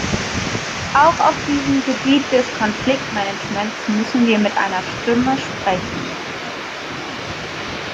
Auch auf diesem Gebiet des Konfliktmanagements müssen wir mit einer Stimme sprechen.